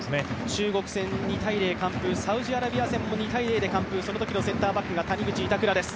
中国戦、２−０完封、サウジアラビア戦も２−０で完封そのときのセンターバックが谷口、板倉です。